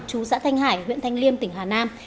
chú xã thanh hải huyện thanh liêm tỉnh hà nam